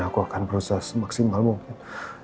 aku akan berusaha semaksimal mungkin